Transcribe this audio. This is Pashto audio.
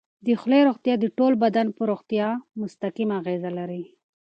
د خولې روغتیا د ټول بدن پر روغتیا مستقیمه اغېزه لري.